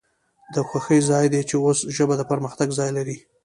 د خوښۍ ځای د چې اوس ژبه د پرمختګ ځای لري